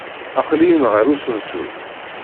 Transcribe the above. Aql-iyi-n ɣer usensu.